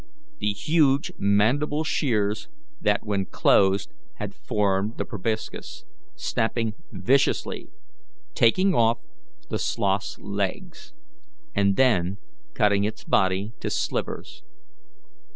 The huge mandible shears that when closed had formed the proboscis, snapped viciously, taking off the sloth's legs and then cutting its body to slivers.